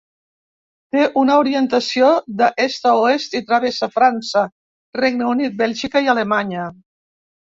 Té una orientació d'est a oest i travessa França, Regne Unit, Bèlgica i Alemanya.